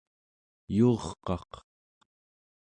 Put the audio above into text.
yuurqaq